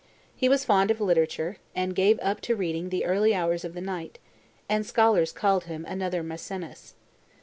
He was fond of literature, and gave up to reading the early hours of the night; and scholars called him another Maecenas.